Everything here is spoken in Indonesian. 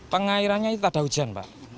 pengairannya itu tak ada hujan pak